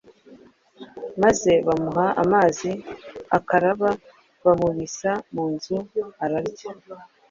Maze bamuha amazi arakaraba, bamubisa mu nzu ararya.